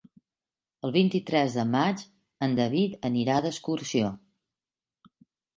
El vint-i-tres de maig en David anirà d'excursió.